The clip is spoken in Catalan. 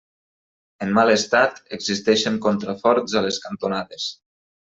En mal estat, existeixen contraforts a les cantonades.